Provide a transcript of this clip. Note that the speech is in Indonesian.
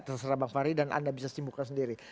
terserah bang fahri dan anda bisa simpulkan sendiri